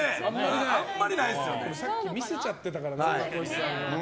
さっき見せちゃってたからな。